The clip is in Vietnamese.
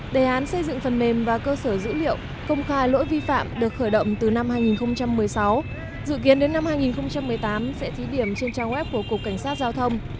đề án xây dựng phần mềm và cơ sở dữ liệu công khai lỗi vi phạm được khởi động từ năm hai nghìn một mươi sáu dự kiến đến năm hai nghìn một mươi tám sẽ thí điểm trên trang web của cục cảnh sát giao thông